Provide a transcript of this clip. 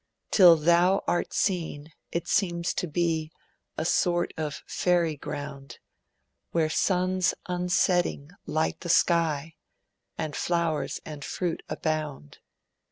'Till Thou art seen it seems to he A sort of fairy ground, Where suns unsetting light the sky, And flowers and fruit abound.